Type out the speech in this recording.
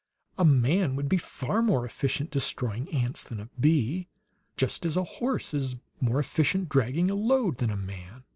A man would be far more efficient, destroying ants, than a bee; just as a horse is more efficient, dragging a load, than a man.